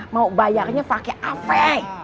mau bayarnya pakai afe